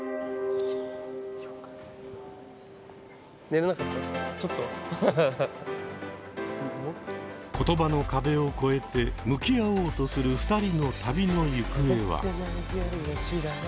例えば言葉の壁を超えて向き合おうとする２人の旅の行方は？